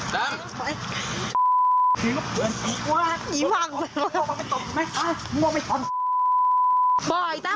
ว้าวมาหนึ่ง